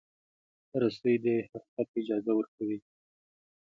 رسۍ د حرکت اجازه ورکوي.